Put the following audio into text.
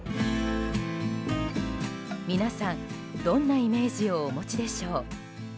皆さん、どんなイメージをお持ちでしょう。